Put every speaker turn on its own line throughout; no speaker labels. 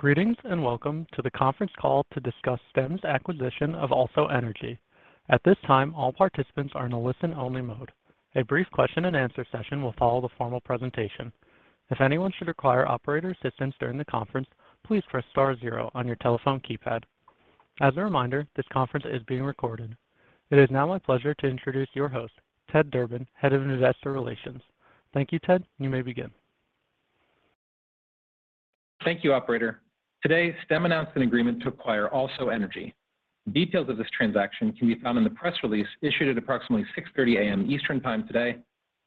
Greetings and welcome to the conference call to discuss Stem's acquisition of AlsoEnergy. At this time, all participants are in a listen-only mode. A brief question and answer session will follow the formal presentation. If anyone should require operator assistance during the conference, please press star zero on your telephone keypad. As a reminder, this conference is being recorded. It is now my pleasure to introduce your host, Ted Durbin, Head of Investor Relations. Thank you, Ted. You may begin.
Thank you, operator. Today, Stem announced an agreement to acquire AlsoEnergy. Details of this transaction can be found in the press release issued at approximately 6:30 A.M. Eastern Time today,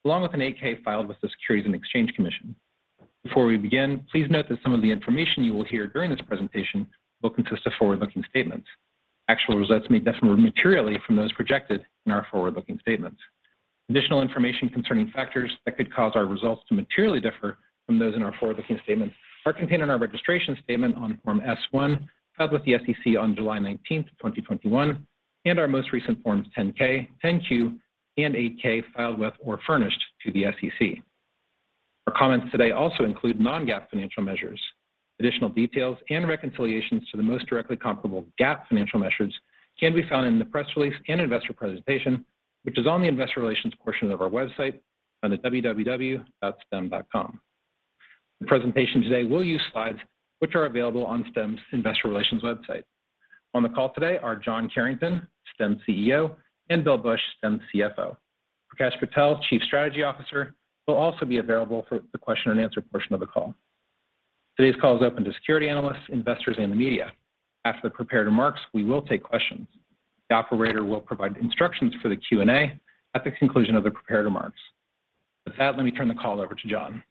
along with an 8-K filed with the Securities and Exchange Commission. Before we begin, please note that some of the information you will hear during this presentation will consist of forward-looking statements. Actual results may differ materially from those projected in our forward-looking statements. Additional information concerning factors that could cause our results to materially differ from those in our forward-looking statements are contained in our registration statement on Form S-1, filed with the SEC on July 19, 2021, and our most recent forms 10-K, 10-Q and 8-K filed with or furnished to the SEC. Our comments today also include non-GAAP financial measures. Additional details and reconciliations to the most directly comparable GAAP financial measures can be found in the press release and investor presentation, which is on the investor relations portion of our website at www.stem.com. The presentation today will use slides which are available on Stem's investor relations website. On the call today are John Carrington, Stem's CEO, and Bill Bush, Stem's CFO. Prakesh Patel, Chief Strategy Officer, will also be available for the question and answer portion of the call. Today's call is open to securities analysts, investors, and the media. After the prepared remarks, we will take questions. The operator will provide instructions for the Q&A at the conclusion of the prepared remarks. With that, let me turn the call over to John.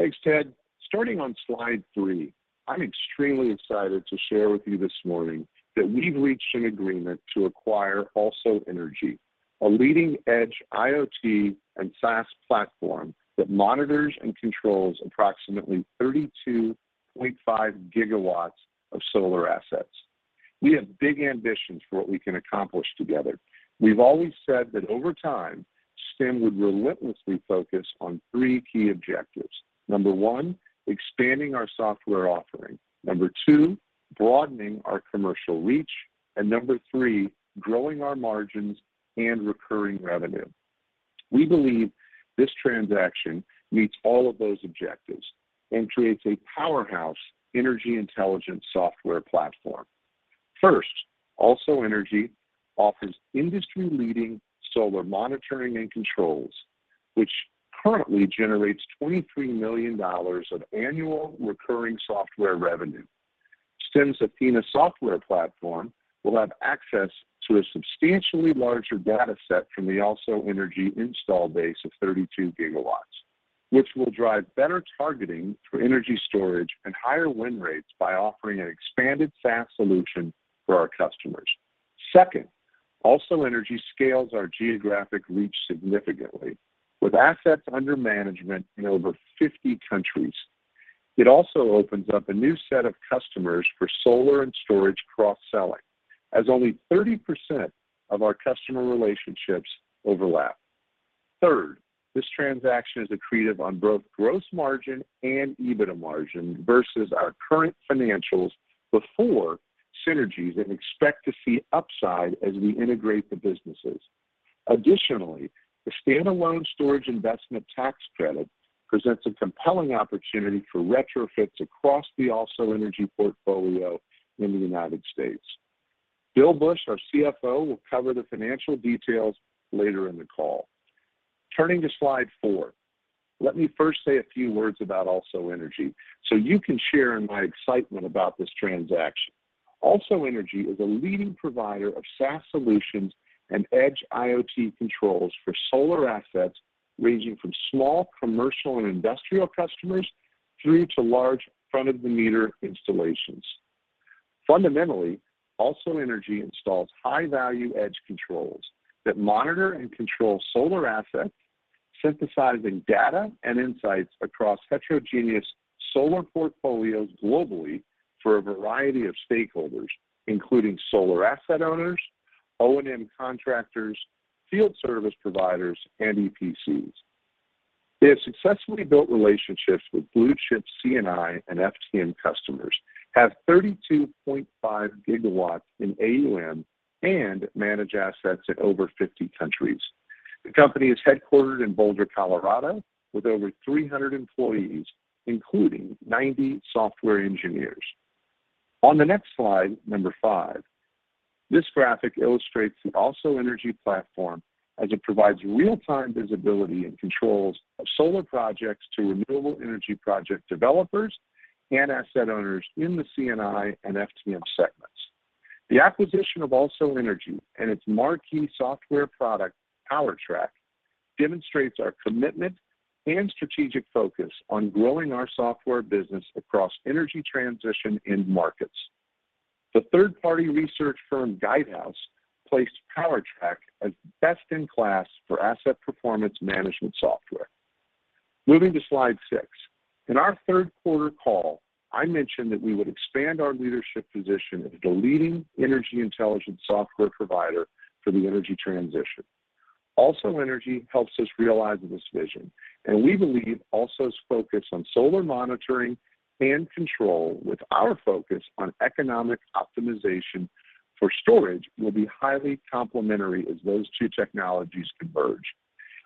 Thanks, Ted. Starting on slide three, I'm extremely excited to share with you this morning that we've reached an agreement to acquire AlsoEnergy, a leading edge IoT and SaaS platform that monitors and controls approximately 32.5 GW of solar assets. We have big ambitions for what we can accomplish together. We've always said that over time, Stem would relentlessly focus on three key objectives. Number one, expanding our software offering. Number two, broadening our commercial reach. Number three, growing our margins and recurring revenue. We believe this transaction meets all of those objectives and creates a powerhouse energy intelligence software platform. First, AlsoEnergy offers industry-leading solar monitoring and controls, which currently generates $23 million of annual recurring software revenue. Stem's Athena software platform will have access to a substantially larger data set from the AlsoEnergy install base of 32 GW, which will drive better targeting for energy storage and higher win rates by offering an expanded SaaS solution for our customers. Second, AlsoEnergy scales our geographic reach significantly with assets under management in over 50 countries. It also opens up a new set of customers for solar and storage cross-selling, as only 30% of our customer relationships overlap. Third, this transaction is accretive on both gross margin and EBITDA margin versus our current financials before synergies and we expect to see upside as we integrate the businesses. Additionally, the standalone storage investment tax credit presents a compelling opportunity for retrofits across the AlsoEnergy portfolio in the United States. Bill Bush, our CFO, will cover the financial details later in the call. Turning to slide four. Let me first say a few words about AlsoEnergy, so you can share in my excitement about this transaction. AlsoEnergy is a leading provider of SaaS solutions and edge IoT controls for solar assets ranging from small commercial and industrial customers through to large front-of-the-meter installations. Fundamentally, AlsoEnergy installs high-value edge controls that monitor and control solar assets, synthesizing data and insights across heterogeneous solar portfolios globally for a variety of stakeholders, including solar asset owners, O&M contractors, field service providers, and EPCs. They have successfully built relationships with blue-chip C&I and FTM customers, have 32.5 GW in AUM, and manage assets in over 50 countries. The company is headquartered in Boulder, Colorado, with over 300 employees, including 90 software engineers. On the next slide five, this graphic illustrates the AlsoEnergy platform as it provides real-time visibility and controls of solar projects to renewable energy project developers and asset owners in the C&I and FTM segments. The acquisition of AlsoEnergy and its marquee software product, PowerTrack, demonstrates our commitment and strategic focus on growing our software business across energy transition end markets. The third-party research firm Guidehouse placed PowerTrack as best in class for asset performance management software. Moving to slide six. In our third quarter call, I mentioned that we would expand our leadership position as a leading energy intelligence software provider for the energy transition. AlsoEnergy helps us realize this vision, and we believe AlsoEnergy's focus on solar monitoring and control with our focus on economic optimization for storage will be highly complementary as those two technologies converge.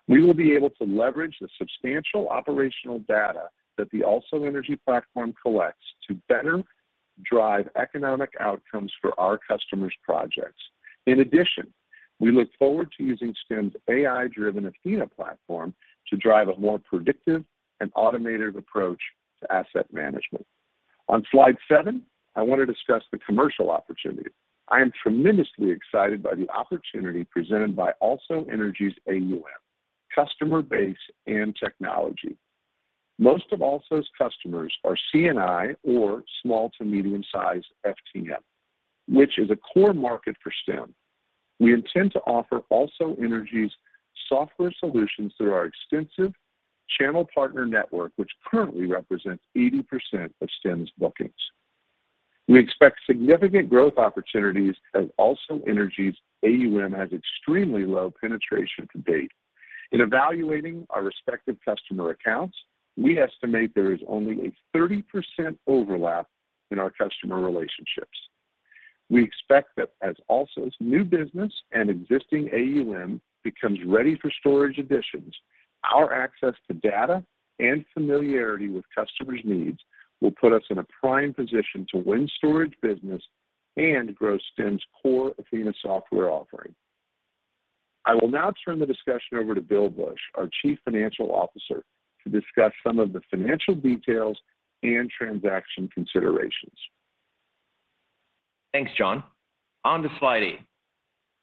We will be able to leverage the substantial operational data that the AlsoEnergy platform collects to better drive economic outcomes for our customers' projects. In addition, we look forward to using Stem's AI-driven Athena platform to drive a more predictive and automated approach to asset management. On slide seven, I want to discuss the commercial opportunity. I am tremendously excited by the opportunity presented by AlsoEnergy's AUM, customer base, and technology. Most of AlsoEnergy's customers are C&I or small to medium-sized FTM, which is a core market for Stem. We intend to offer AlsoEnergy's software solutions through our extensive channel partner network, which currently represents 80% of Stem's bookings. We expect significant growth opportunities as AlsoEnergy's AUM has extremely low penetration to date. In evaluating our respective customer accounts, we estimate there is only a 30% overlap in our customer relationships. We expect that as AlsoEnergy's new business and existing AUM becomes ready for storage additions, our access to data and familiarity with customers' needs will put us in a prime position to win storage business and grow Stem's core Athena software offering. I will now turn the discussion over to Bill Bush, our Chief Financial Officer, to discuss some of the financial details and transaction considerations.
Thanks, John. On to slide eight.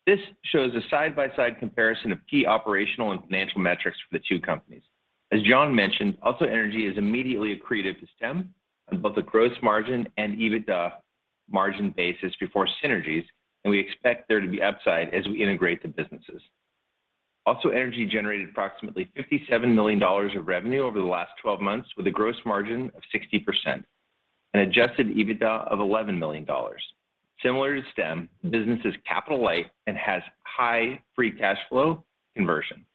This shows a side-by-side comparison of key operational and financial metrics for the two companies. As John mentioned, AlsoEnergy is immediately accretive to Stem on both a gross margin and EBITDA margin basis before synergies, and we expect there to be upside as we integrate the businesses. AlsoEnergy generated approximately $57 million of revenue over the last 12 months with a gross margin of 60%, an adjusted EBITDA of $11 million. Similar to Stem, the business is capital light and has high free cash flow conversion.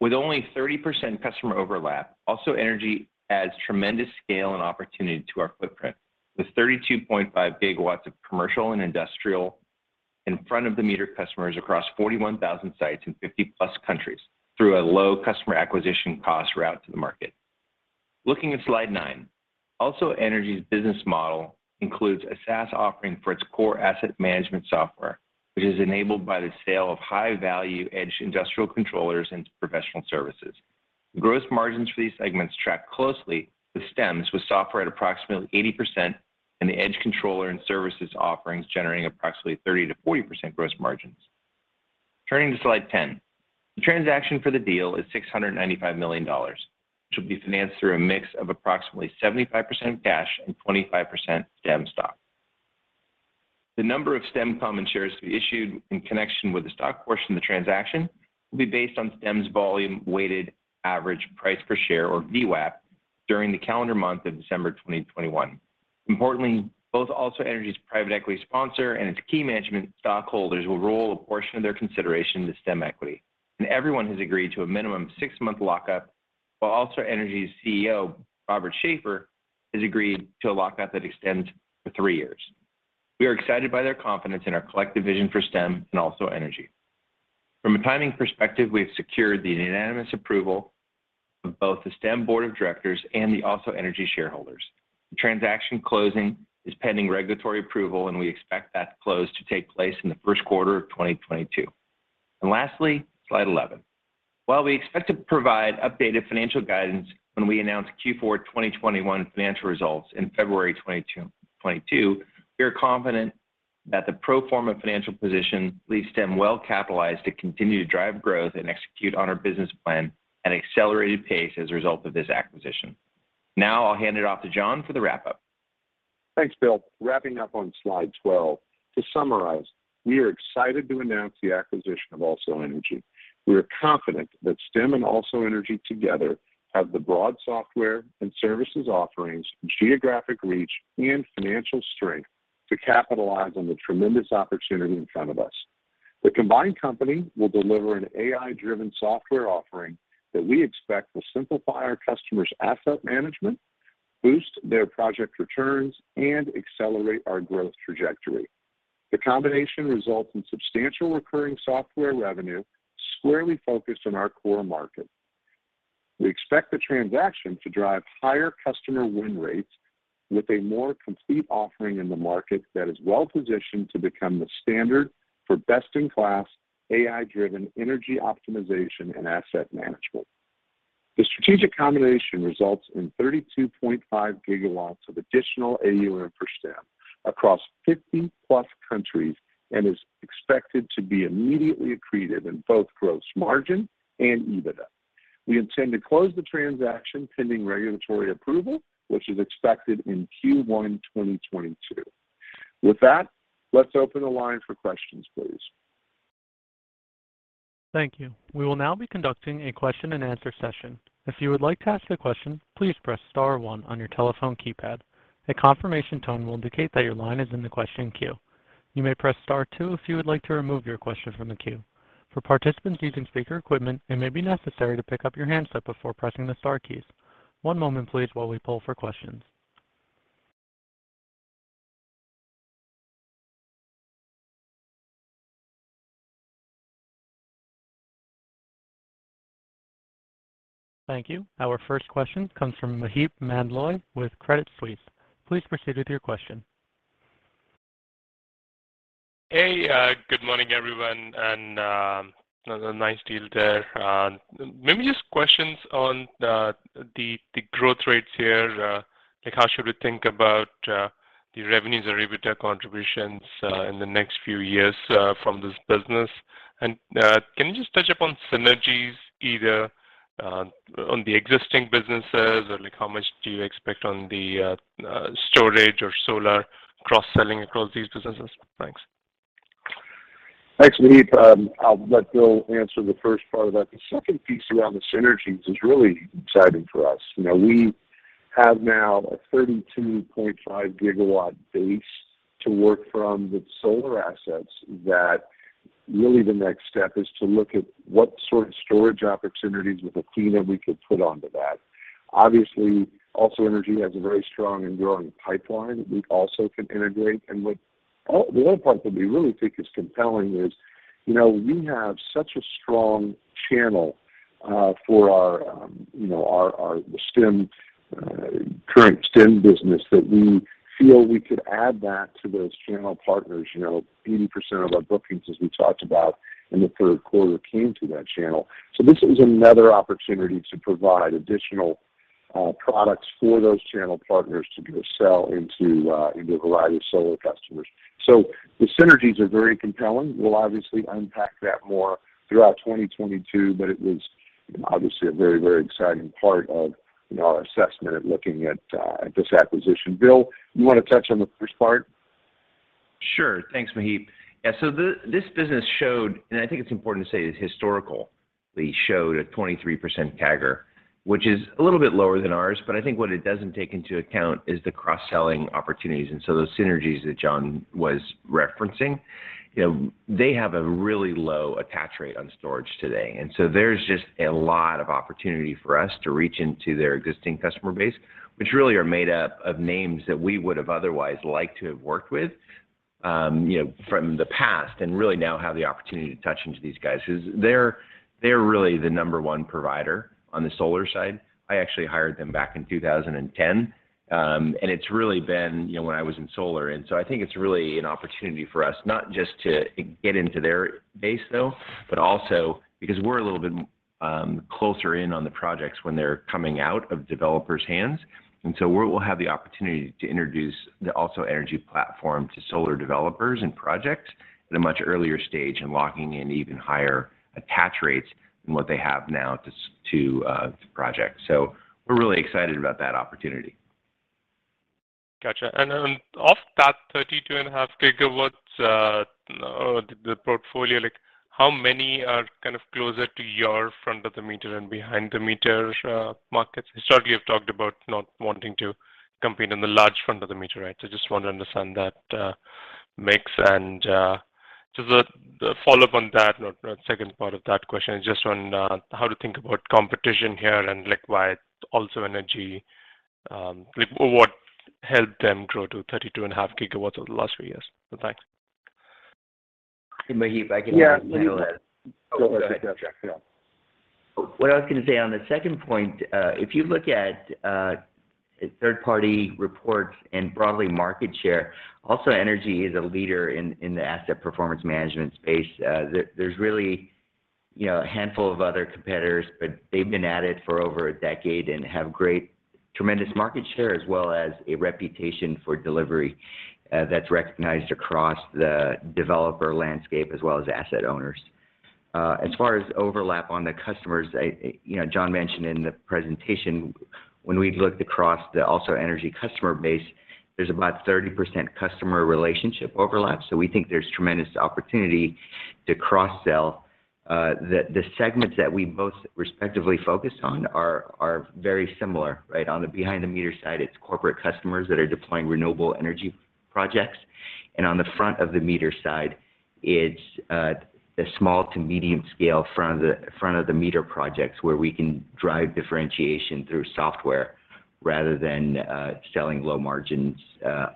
With only 30% customer overlap, AlsoEnergy adds tremendous scale and opportunity to our footprint, with 32.5 GW of commercial and industrial in front of the meter customers across 41,000 sites in 50+ countries through a low customer acquisition cost route to the market. Looking at slide nine. AlsoEnergy's business model includes a SaaS offering for its core asset management software, which is enabled by the sale of high-value edge industrial controllers into professional services. Gross margins for these segments track closely with Stem's, with software at approximately 80% and the edge controller and services offerings generating approximately 30%-40% gross margins. Turning to slide 10. The transaction for the deal is $695 million, which will be financed through a mix of approximately 75% cash and 25% Stem stock. The number of Stem common shares to be issued in connection with the stock portion of the transaction will be based on Stem's volume-weighted average price per share or VWAP during the calendar month of December 2021. Importantly, both AlsoEnergy's private equity sponsor and its key management stockholders will roll a portion of their consideration to Stem equity. Everyone has agreed to a minimum six-month lock-up, while AlsoEnergy's CEO, Robert Schaefer, has agreed to a lock-up that extends for three years. We are excited by their confidence in our collective vision for Stem and AlsoEnergy. From a timing perspective, we have secured the unanimous approval of both the Stem board of directors and the AlsoEnergy shareholders. The transaction closing is pending regulatory approval, and we expect that close to take place in the first quarter of 2022. Lastly, slide 11. While we expect to provide updated financial guidance when we announce Q4 2021 financial results in February 2022, we are confident that the pro forma financial position leaves Stem well-capitalized to continue to drive growth and execute on our business plan at an accelerated pace as a result of this acquisition. Now I'll hand it off to John for the wrap-up.
Thanks, Bill. Wrapping up on slide 12. To summarize, we are excited to announce the acquisition of AlsoEnergy. We are confident that Stem and AlsoEnergy together have the broad software and services offerings, geographic reach, and financial strength to capitalize on the tremendous opportunity in front of us. The combined company will deliver an AI-driven software offering that we expect will simplify our customers' asset management, boost their project returns, and accelerate our growth trajectory. The combination results in substantial recurring software revenue squarely focused on our core market. We expect the transaction to drive higher customer win rates with a more complete offering in the market that is well-positioned to become the standard for best-in-class AI-driven energy optimization and asset management. The strategic combination results in 32.5 GW of additional AUM for Stem across 50+ countries and is expected to be immediately accretive in both gross margin and EBITDA. We intend to close the transaction pending regulatory approval, which is expected in Q1 2022. With that, let's open the line for questions, please.
Thank you. We will now be conducting a question-and-answer session. If you would like to ask a question, please press star one on your telephone keypad. A confirmation tone will indicate that your line is in the question queue. You may press star two if you would like to remove your question from the queue. For participants using speaker equipment, it may be necessary to pick up your handset before pressing the star keys. One moment please while we poll for questions. Thank you. Our first question comes from Maheep Mandloi with Credit Suisse. Please proceed with your question.
Hey, good morning everyone, a nice deal there. Maybe just questions on the growth rates here. Like how should we think about the revenues or EBITDA contributions in the next few years from this business? Can you just touch upon synergies either on the existing businesses or like how much do you expect on the storage or solar cross-selling across these businesses? Thanks.
Thanks, Maheep. I'll let Bill answer the first part of that. The second piece around the synergies is really exciting for us. You know, we have now a 32.5 GW base to work from with solar assets that really the next step is to look at what sort of storage opportunities with AlsoEnergy we could put onto that. Obviously, AlsoEnergy has a very strong and growing pipeline we also can integrate. What the other part that we really think is compelling is, you know, we have such a strong channel for our, you know, our current Stem business that we feel we could add that to those channel partners. You know, 80% of our bookings, as we talked about in the third quarter, came through that channel. This is another opportunity to provide additional products for those channel partners to be able to sell into a variety of solar customers. The synergies are very compelling. We'll obviously unpack that more throughout 2022, but it was obviously a very, very exciting part of, you know, our assessment of looking at this acquisition. Bill, you wanna touch on the first part?
Sure. Thanks, Maheep. Yeah, this business showed, and I think it's important to say this historically showed a 23% CAGR, which is a little bit lower than ours. I think what it doesn't take into account is the cross-selling opportunities, and so those synergies that John was referencing. You know, they have a really low attach rate on storage today. There's just a lot of opportunity for us to reach into their existing customer base, which really are made up of names that we would have otherwise liked to have worked with, you know, from the past, and really now have the opportunity to touch into these guys, who are really the number one provider on the solar side. I actually hired them back in 2010. It's really been, you know, when I was in solar. I think it's really an opportunity for us not just to get into their base though, but also because we're a little bit closer in on the projects when they're coming out of developers' hands. We'll have the opportunity to introduce the AlsoEnergy platform to solar developers and projects at a much earlier stage and locking in even higher attach rates than what they have now to the project. We're really excited about that opportunity.
Gotcha. Off that 32.5 GW, the portfolio, like how many are kind of closer to your front of the meter and behind the meter markets? Historically, you've talked about not wanting to compete on the large front of the meter, right? Just want to understand that mix. The follow-up on that, or the second part of that question is just on how to think about competition here and like why AlsoEnergy, like what helped them grow to 32.5 GW over the last three years. Thanks.
Hey, Maheep, I can-
Yeah.
Handle that.
Go ahead. Yeah.
What I was gonna say on the second point, if you look at third-party reports and broadly market share, AlsoEnergy is a leader in the asset performance management space. There's really, you know, a handful of other competitors, but they've been at it for over a decade and have great, tremendous market share, as well as a reputation for delivery, that's recognized across the developer landscape as well as asset owners. As far as overlap on the customers, I, you know, John mentioned in the presentation when we looked across the AlsoEnergy customer base, there's about 30% customer relationship overlap. So we think there's tremendous opportunity to cross-sell. The segments that we most respectively focus on are very similar, right? On the behind the meter side, it's corporate customers that are deploying renewable energy projects. On the front of the meter side, it's the small to medium scale front of the meter projects where we can drive differentiation through software rather than selling low margins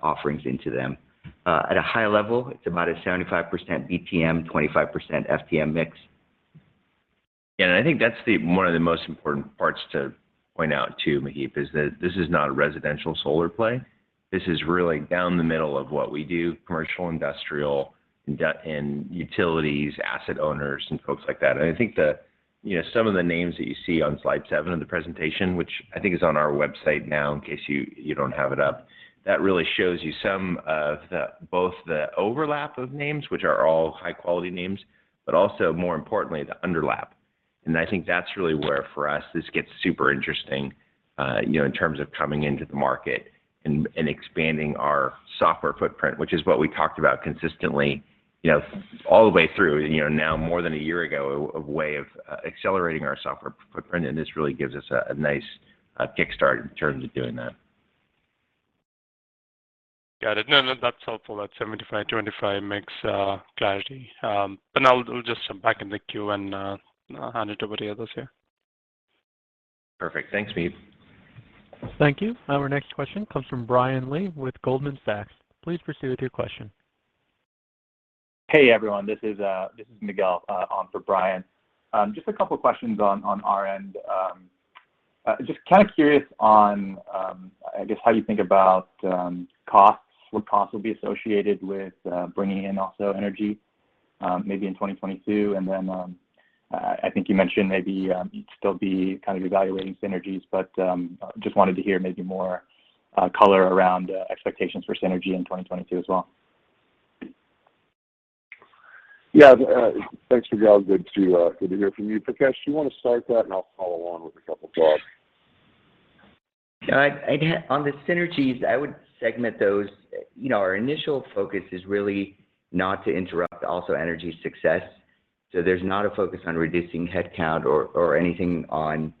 offerings into them. At a high level, it's about a 75% BTM, 25% FTM mix. I think that's one of the most important parts to point out too, Maheep, is that this is not a residential solar play. This is really down the middle of what we do, commercial, industrial, in utilities, asset owners, and folks like that. I think the... You know, some of the names that you see on slide seven of the presentation, which I think is on our website now in case you don't have it up, that really shows you some of the both the overlap of names, which are all high quality names, but also more importantly, the underlap. I think that's really where for us, this gets super interesting, you know, in terms of coming into the market and expanding our software footprint, which is what we talked about consistently, you know, all the way through, you know, now more than a year ago, a way of accelerating our software footprint, and this really gives us a nice kickstart in terms of doing that.
Got it. No, no, that's helpful. That 75, 25 makes clarity. Now we'll just jump back in the queue and hand it over to the others here.
Perfect. Thanks, Maheep.
Thank you. Our next question comes from Brian Lee with Goldman Sachs. Please proceed with your question.
Hey, everyone, this is Miguel on for Brian. Just a couple of questions on our end. Just kind of curious on, I guess how you think about costs, what costs will be associated with bringing in AlsoEnergy, maybe in 2022. I think you mentioned maybe you'd still be kind of evaluating synergies, but just wanted to hear maybe more color around expectations for synergy in 2022 as well.
Yeah. Thanks, Miguel. Good to hear from you. Prakesh, do you wanna start that, and I'll follow on with a couple thoughts?
On the synergies, I would segment those. You know, our initial focus is really not to interrupt AlsoEnergy's success. There's not a focus on reducing headcount or anything on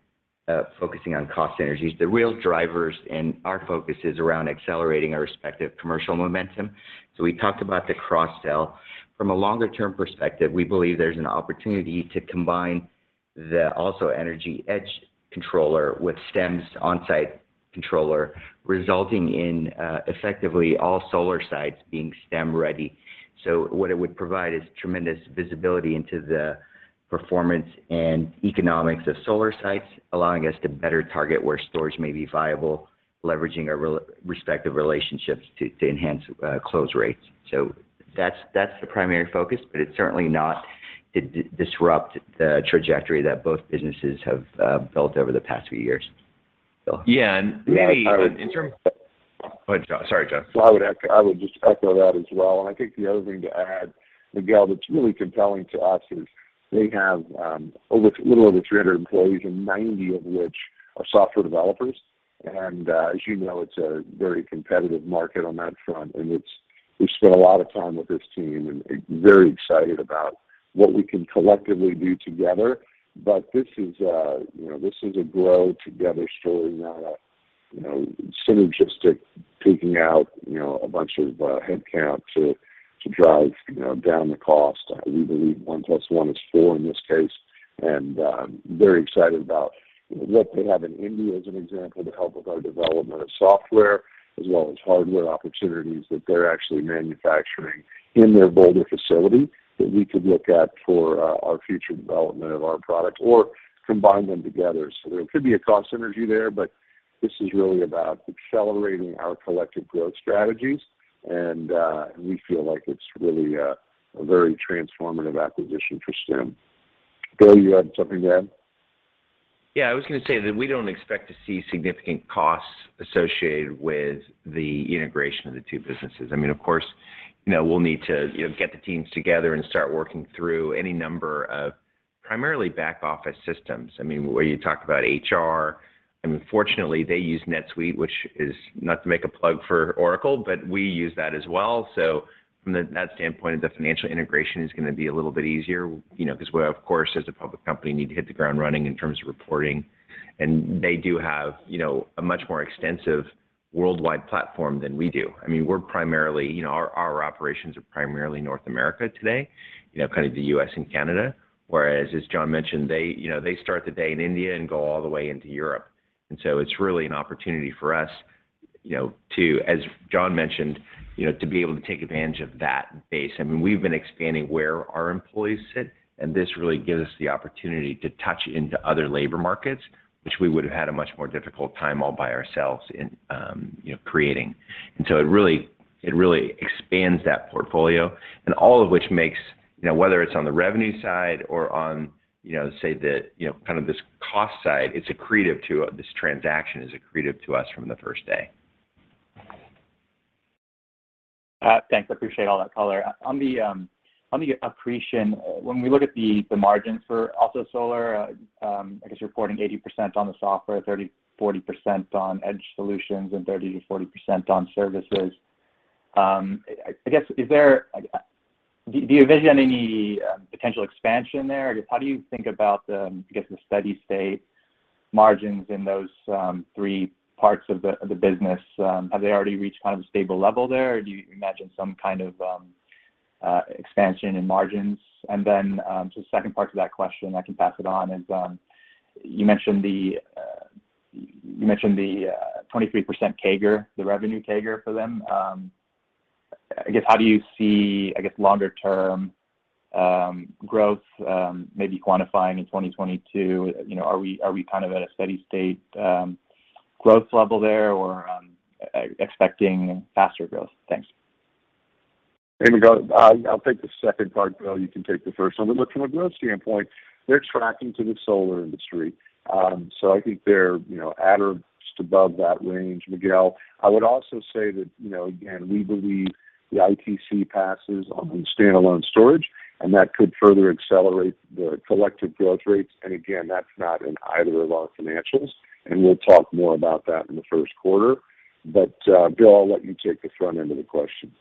focusing on cost synergies. The real drivers and our focus is around accelerating our respective commercial momentum. We talked about the cross-sell. From a longer term perspective, we believe there's an opportunity to combine the AlsoEnergy edge controller with Stem's on-site controller, resulting in effectively all solar sites being Stem ready. What it would provide is tremendous visibility into the performance and economics of solar sites, allowing us to better target where storage may be viable, leveraging our respective relationships to enhance close rates. That's the primary focus, but it's certainly not to disrupt the trajectory that both businesses have built over the past few years. Bill?
Yeah. Maybe in terms-
I would-
Go ahead, John. Sorry, John.
I would just echo that as well. I think the other thing to add, Miguel, that's really compelling to us is they have a little over 300 employees, and 90 of which are software developers. As you know, it's a very competitive market on that front. We've spent a lot of time with this team, and we're very excited about what we can collectively do together. This is a grow together story, not a synergistic taking out a bunch of headcount to drive down the cost. We believe one plus one is four in this case, and very excited about, you know, what they have in India as an example to help with our development of software as well as hardware opportunities that they're actually manufacturing in their Boulder facility that we could look at for our future development of our products or combine them together. There could be a cost synergy there, but this is really about accelerating our collective growth strategies. We feel like it's really a very transformative acquisition for Stem. Bill, you had something to add?
Yeah. I was gonna say that we don't expect to see significant costs associated with the integration of the two businesses. I mean, of course, you know, we'll need to, you know, get the teams together and start working through any number of primarily back office systems. I mean, where you talk about HR, I mean, fortunately, they use NetSuite, which is not to make a plug for Oracle, but we use that as well. So from that standpoint of the financial integration is gonna be a little bit easier, you know, 'cause we're, of course, as a public company, need to hit the ground running in terms of reporting. They do have, you know, a much more extensive worldwide platform than we do. I mean, our operations are primarily North America today, you know, kind of the U.S. and Canada. As John mentioned, they, you know, they start the day in India and go all the way into Europe. It's really an opportunity for us, you know, as John mentioned, you know, to be able to take advantage of that base. I mean, we've been expanding where our employees sit, and this really gives us the opportunity to tap into other labor markets, which we would've had a much more difficult time all by ourselves in, you know, creating. It really expands that portfolio. All of which makes, you know, whether it's on the revenue side or on, you know, say the, you know, kind of this cost side, this transaction is accretive to us from the first day.
Thanks. I appreciate all that color. On the accretion, when we look at the margins for AlsoEnergy, I guess reporting 80% on the software, 30-40% on edge solutions, and 30-40% on services, I guess, is there? Do you envision any potential expansion there? I guess, how do you think about the steady state margins in those three parts of the business? Have they already reached kind of a stable level there? Or do you imagine some kind of expansion in margins? Then, the second part to that question I can pass it on is, you mentioned the 23% CAGR, the revenue CAGR for them. I guess, how do you see, I guess, longer term growth, maybe quantifying in 2022? You know, are we kind of at a steady state growth level there or expecting faster growth? Thanks.
Hey, Miguel. I'll take the second part. Bill, you can take the first one. Look, from a growth standpoint, they're tracking to the solar industry. I think they're, you know, at or just above that range, Miguel. I would also say that, you know, again, we believe the ITC passes on standalone storage, and that could further accelerate the collective growth rates. Again, that's not in either of our financials, and we'll talk more about that in the first quarter. Bill, I'll let you take the front end of the question.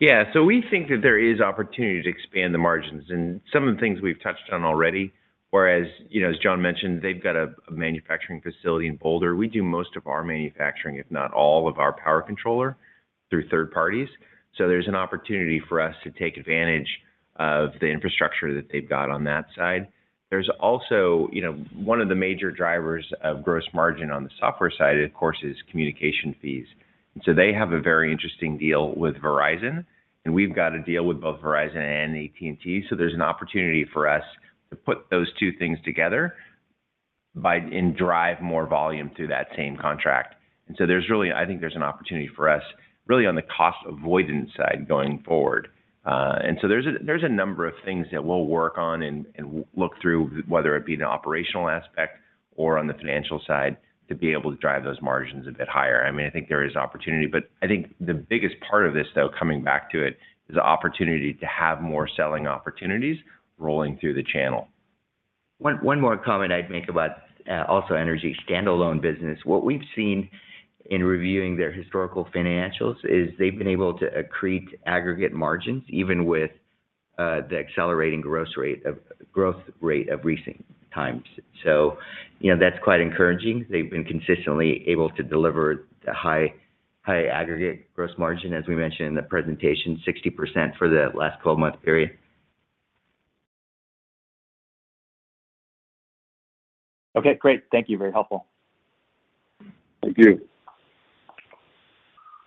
Yeah. We think that there is opportunity to expand the margins, and some of the things we've touched on already. Whereas, you know, as John mentioned, they've got a manufacturing facility in Boulder. We do most of our manufacturing, if not all of our power controller through third parties. There's an opportunity for us to take advantage of the infrastructure that they've got on that side. There's also. You know, one of the major drivers of gross margin on the software side, of course, is communication fees. They have a very interesting deal with Verizon, and we've got a deal with both Verizon and AT&T. There's an opportunity for us to put those two things together by and drive more volume through that same contract. There's really. I think there's an opportunity for us really on the cost avoidance side going forward. There's a number of things that we'll work on and look through, whether it be in the operational aspect or on the financial side, to be able to drive those margins a bit higher. I mean, I think there is opportunity. I think the biggest part of this, though, coming back to it, is the opportunity to have more selling opportunities rolling through the channel.
One more comment I'd make about AlsoEnergy standalone business. What we've seen in reviewing their historical financials is they've been able to accrete aggregate margins even with the accelerating growth rate of recent times. You know, that's quite encouraging. They've been consistently able to deliver a high aggregate gross margin, as we mentioned in the presentation, 60% for the last 12-month period.
Okay, great. Thank you. Very helpful.
Thank you.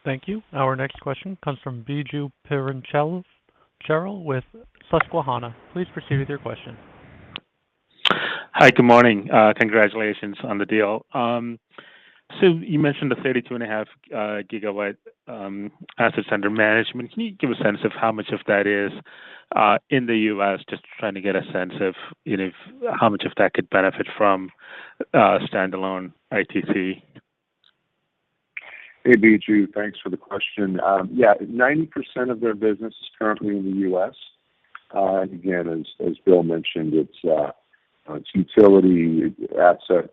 Thank you. Our next question comes from Biju Perincheril with Susquehanna. Please proceed with your question.
Hi. Good morning. Congratulations on the deal. So you mentioned the 32.5 GW assets under management. Can you give a sense of how much of that is in the U.S.? Just trying to get a sense of, you know, how much of that could benefit from standalone ITC.
Hey, Biju. Thanks for the question. Yeah, 90% of their business is currently in the U.S. Again, as Bill mentioned, it's utility asset,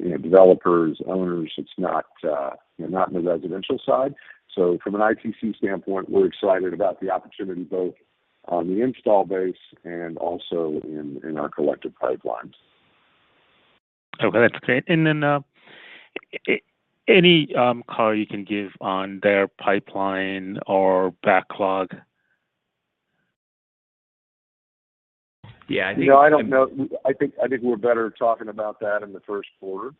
you know, developers, owners. It's not, you know, not in the residential side. From an ITC standpoint, we're excited about the opportunity both on the installed base and also in our collective pipelines.
Okay, that's great. Any color you can give on their pipeline or backlog?
Yeah, I think.
You know, I don't know. I think we're better talking about that in the first quarter.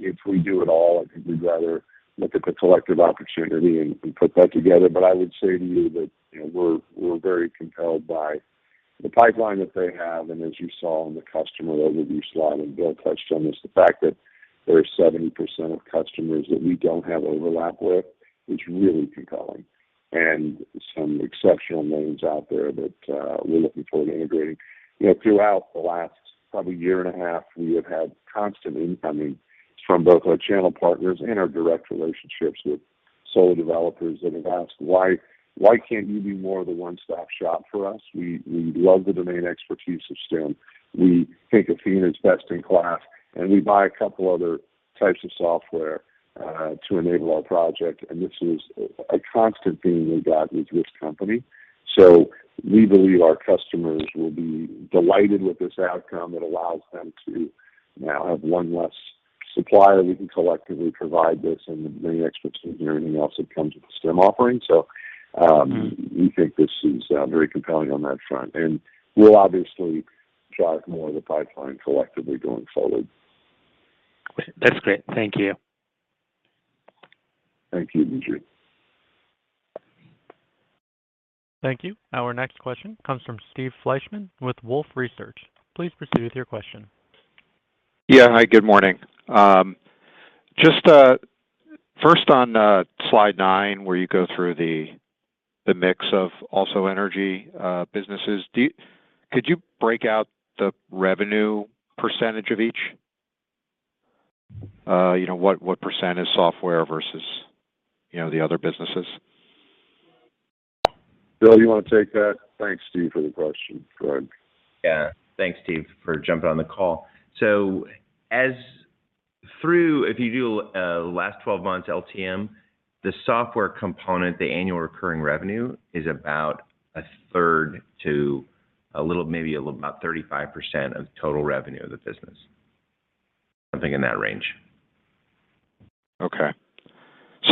If we do it at all, I think we'd rather look at the collective opportunity and put that together. I would say to you that, you know, we're very compelled by the pipeline that they have. As you saw in the customer overview slide, and Bill touched on this, the fact that there are 70% of customers that we don't have overlap with is really compelling. Some exceptional names out there that we're looking forward to integrating. You know, throughout the last probably year and a half, we have had constant incoming from both our channel partners and our direct relationships with solar developers that have asked, "Why can't you be more of a one-stop shop for us? We love the domain expertise of Stem. We think Athena is best in class, and we buy a couple other types of software to enable our project." This is a constant theme we got with this company. We believe our customers will be delighted with this outcome. It allows them to now have one less supplier. We can collectively provide this and the domain expertise and everything else that comes with the Stem offering.
Mm-hmm.
We think this is very compelling on that front, and we'll obviously drive more of the pipeline collectively going forward.
That's great. Thank you.
Thank you, Biju.
Thank you. Our next question comes from Steve Fleishman with Wolfe Research. Please proceed with your question.
Yeah. Hi, good morning. Just first on slide 9, where you go through the mix of AlsoEnergy businesses. Could you break out the revenue percentage of each? You know, what percent is software versus the other businesses?
Bill, you wanna take that? Thanks, Steve, for the question. Go ahead.
Yeah. Thanks, Steve, for jumping on the call. If you do last 12 months LTM, the software component, the annual recurring revenue is about a third to a little, maybe a little about 35% of total revenue of the business. Something in that range.
Okay.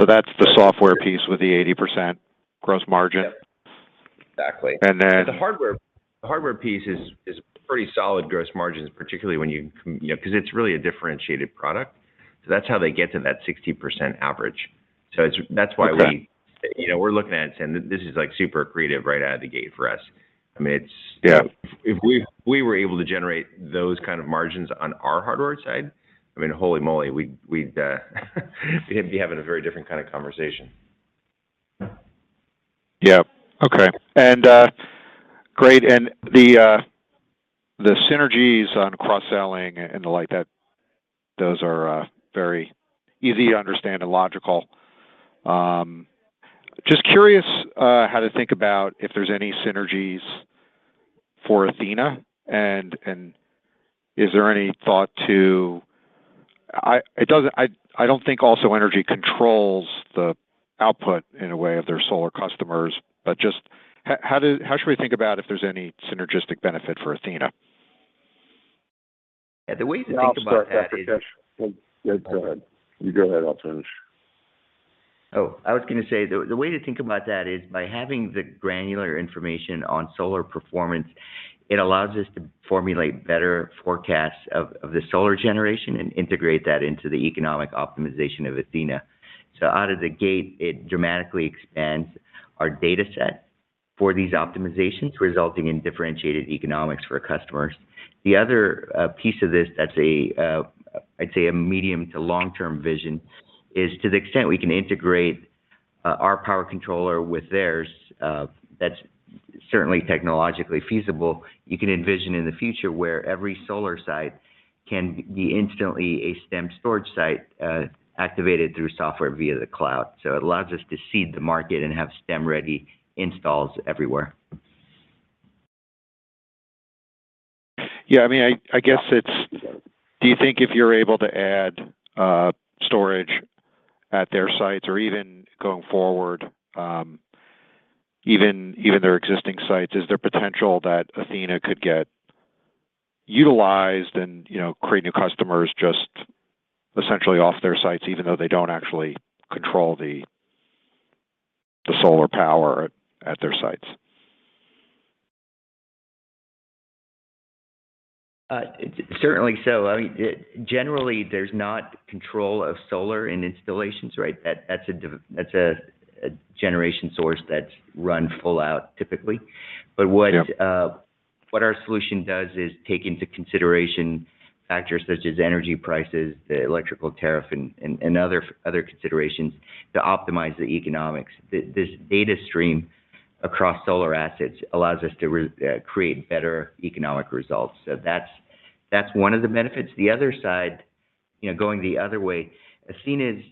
That's the software piece with the 80% gross margin?
Yep. Exactly.
And then-
The hardware piece is pretty solid gross margins, particularly. You know, 'cause it's really a differentiated product. That's how they get to that 60% average. It's that that's why we-
Okay.
You know, we're looking at it saying this is, like, super accretive right out of the gate for us. I mean, it's
Yeah.
If we were able to generate those kind of margins on our hardware side, I mean, holy moly, we'd be having a very different kind of conversation.
Yeah. Okay. Great. The synergies on cross-selling and the like, that those are very easy to understand and logical. Just curious, how to think about if there's any synergies for Athena? Is there any thought to it. I don't think AlsoEnergy controls the output in a way of their solar customers. But just how should we think about if there's any synergistic benefit for Athena?
The way to think about that is.
No, I'll start, Prakesh. Go ahead. You go ahead, I'll finish.
I was gonna say, the way to think about that is by having the granular information on solar performance, it allows us to formulate better forecasts of the solar generation and integrate that into the economic optimization of Athena. Out of the gate, it dramatically expands our data set for these optimizations, resulting in differentiated economics for customers. The other piece of this that's, I'd say, a medium- to long-term vision is to the extent we can integrate our power controller with theirs. That's certainly technologically feasible. You can envision in the future where every solar site can be instantly a Stem storage site, activated through software via the cloud. It allows us to seed the market and have Stem-ready installs everywhere.
Yeah, I mean, I guess. Do you think if you're able to add storage at their sites or even going forward, even their existing sites, is there potential that Athena could get utilized and, you know, create new customers just essentially off their sites, even though they don't actually control the solar power at their sites?
Certainly so. I mean, generally, there's not control of solar in installations, right? That's a generation source that's run full out typically.
Yeah.
What our solution does is take into consideration factors such as energy prices, the electrical tariff and other considerations to optimize the economics. This data stream across solar assets allows us to create better economic results. That's one of the benefits. The other side, you know, going the other way, Athena's.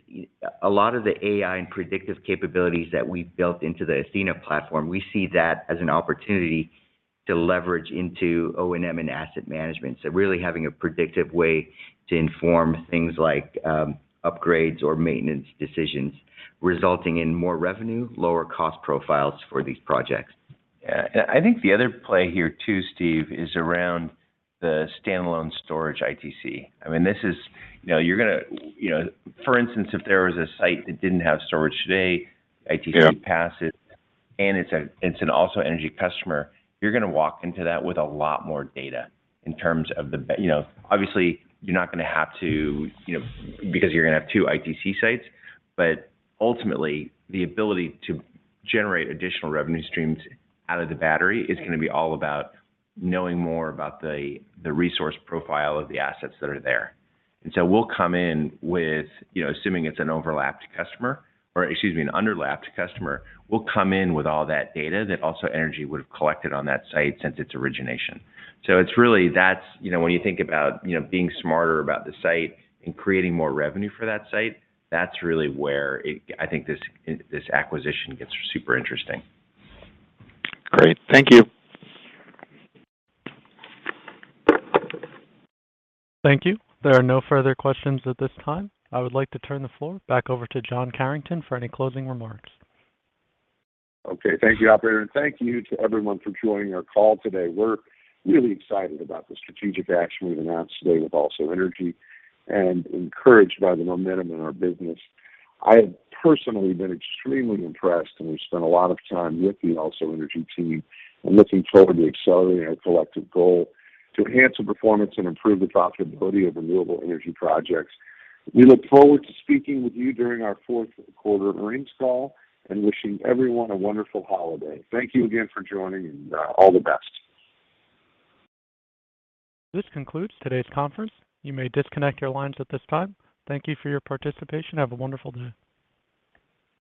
A lot of the AI and predictive capabilities that we built into the Athena platform, we see that as an opportunity to leverage into O&M and asset management. Really having a predictive way to inform things like upgrades or maintenance decisions, resulting in more revenue, lower cost profiles for these projects.
Yeah. I think the other play here too, Steve, is around the standalone storage ITC. I mean, this is. You know, you're gonna, you know. For instance, if there was a site that didn't have storage today.
Yeah
ITC passes. It's an AlsoEnergy customer. You're gonna walk into that with a lot more data in terms of the. You know, obviously, you're not gonna have to, you know, because you're gonna have two ITC sites. Ultimately, the ability to generate additional revenue streams out of the battery is gonna be all about knowing more about the resource profile of the assets that are there. We'll come in with, you know, assuming it's an overlapped customer or excuse me, an underlapped customer. We'll come in with all that data that AlsoEnergy would have collected on that site since its origination. It's really that's, you know, when you think about, you know, being smarter about the site and creating more revenue for that site. That's really where it. I think this acquisition gets super interesting.
Great. Thank you.
Thank you. There are no further questions at this time. I would like to turn the floor back over to John Carrington for any closing remarks.
Okay. Thank you, operator. Thank you to everyone for joining our call today. We're really excited about the strategic action we've announced today with AlsoEnergy and encouraged by the momentum in our business. I have personally been extremely impressed, and we've spent a lot of time with the AlsoEnergy team. I'm looking forward to accelerating our collective goal to enhance the performance and improve the profitability of renewable energy projects. We look forward to speaking with you during our fourth quarter earnings call and wishing everyone a wonderful holiday. Thank you again for joining, and all the best.
This concludes today's conference. You may disconnect your lines at this time. Thank you for your participation. Have a wonderful day.